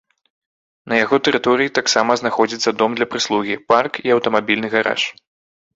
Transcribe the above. На яго тэрыторыі таксама знаходзіцца дом для прыслугі, парк і аўтамабільны гараж.